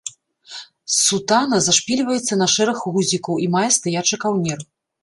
Сутана зашпільваецца на шэраг гузікаў і мае стаячы каўнер.